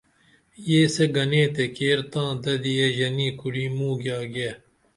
یسے گنے تے کیر تاں ددی یے ژنی کُری موگیاگے